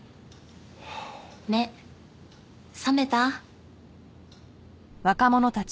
目覚めた？